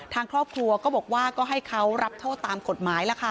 ทางครอบครัวก็บอกว่าก็ให้เขารับโทษตามกฎหมายล่ะค่ะ